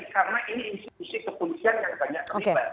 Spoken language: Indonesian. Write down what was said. karena ini institusi kepolisian yang banyak terlibat